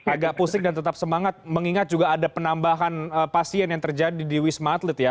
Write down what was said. agak pusing dan tetap semangat mengingat juga ada penambahan pasien yang terjadi di wisma atlet ya